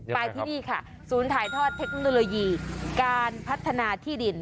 ไปที่นี่ค่ะศูนย์ถ่ายทอดเทคโนโลยีการพัฒนาที่ดิน